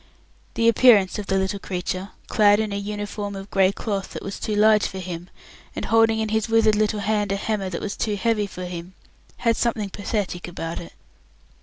The appearance of the little creature, clad in a uniform of grey cloth that was too large for him, and holding in his withered little hand a hammer that was too heavy for him, had something pathetic about it.